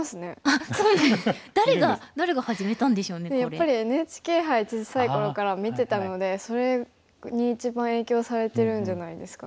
やっぱりＮＨＫ杯小さい頃から見てたのでそれに一番影響されてるんじゃないですかね。